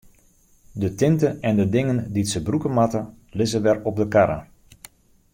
De tinte en de dingen dy't se brûke moatte, lizze wer op de karre.